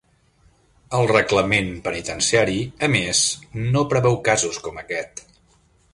El reglament penitenciari, a més, no preveu casos com aquest.